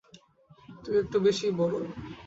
তুই একটু বেশিই বড়!